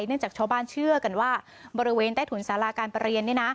เนื่องจากช้อบ้านเชื่อกันว่าบริเวณแต่ถุลศาลาการเปลี่ยน